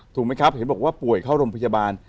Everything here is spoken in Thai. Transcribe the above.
ถูกไหมครับเห็นบอกว่าป่วยเข้าโรงพยาบาล